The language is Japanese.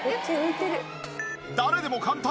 誰でも簡単！